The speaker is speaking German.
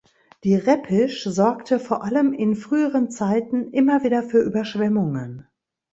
Die Reppisch sorgte vor allem in früheren Zeiten immer wieder für Überschwemmungen.